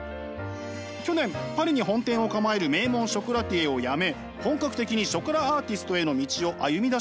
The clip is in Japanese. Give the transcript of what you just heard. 去年パリに本店を構える名門ショコラティエを辞め本格的にショコラアーティストへの道を歩みだしました。